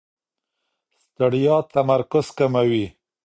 ستړیا تمرکز کموي.